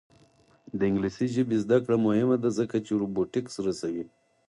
د انګلیسي ژبې زده کړه مهمه ده ځکه چې روبوټکس رسوي.